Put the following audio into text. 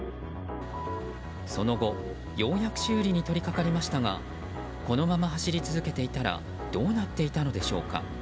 その後、ようやく修理に取り掛かりましたがこのまま走り続けていたらどうなっていたのでしょうか。